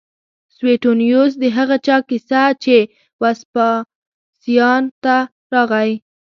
سویټونیوس د هغه چا کیسه کوي چې وسپاسیان ته راغی